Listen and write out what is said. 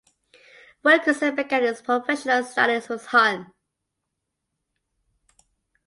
Wilkinson began his professional studies with Hon.